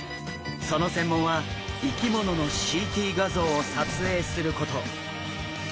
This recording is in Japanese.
その専門は生き物のＣＴ画像を撮影すること。